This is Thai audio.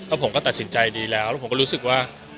ผมก็ตัดสินใจดีแล้วแล้วผมก็รู้สึกว่า